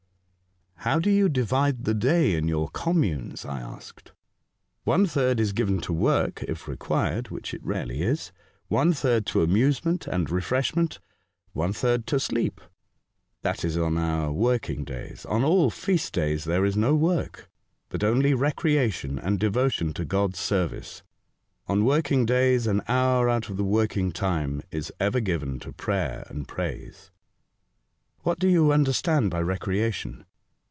*' How do you divide the day in your com munes?" I asked. " One third is given to work, if required (which it rarely is), one third to amusement and refreshment, one third to sleep. That is on our working days. On all feast days there is no work, but only recreation and devotion to God's service. On working days an hour out of the working time is ever given to prayer and praise." " What do you understand by recreation